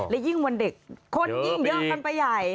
และยิ่งวันเด็กคนยิ่งเยอะกันไปใหญ่